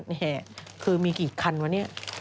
นี่คือมีกี่คันวะเนี่ย